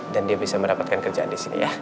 dan dia bisa mendapatkan kerjaan disini ya